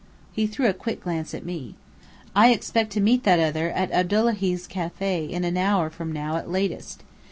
He threw a quick glance at me. "I expect to meet that other at Abdullahi's Café in an hour from now at latest.